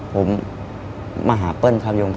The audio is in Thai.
ผมมาหาเปิ้ลครับยง